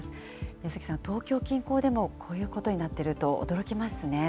宮崎さん、東京近郊でもこういうことになってると驚きますね。